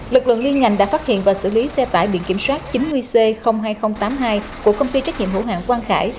lực lượng liên ngành đã phát hiện và xử lý xe tải biển kiểm soát chín mươi c hai nghìn tám mươi hai của công ty trách nhiệm hữu hạng quang khải